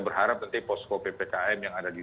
berharap nanti posko ppkm yang ada di